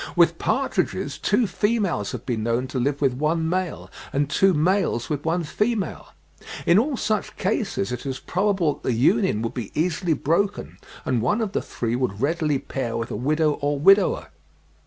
With partridges two females have been known to live with one male, and two males with one female. In all such cases it is probable that the union would be easily broken; and one of the three would readily pair with a widow or widower.